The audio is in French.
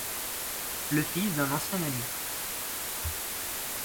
Le fils d’un ancien ami.